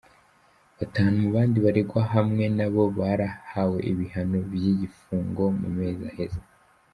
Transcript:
Batanu mu bandi baregwa hamwe nabo barahawe ibihano vy'igipfungo mu mezi aheze.